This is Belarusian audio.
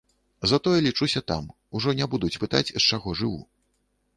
Затое лічуся там, ужо не будуць пытаць, з чаго жыву.